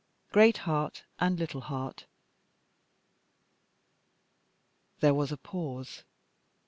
GREAT HEART AND LITTLE HEART. THERE was a pause.